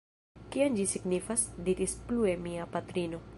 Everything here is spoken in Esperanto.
Kion ĝi signifas? diris plue mia patrino.